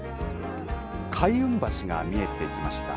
開運橋が見えてきました。